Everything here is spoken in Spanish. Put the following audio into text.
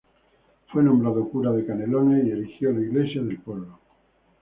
Fue nombrado cura de Canelones, y erigió la iglesia del pueblo.